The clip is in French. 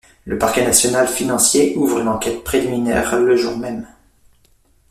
Le Parquet national financier ouvre une enquête préliminaire le jour même.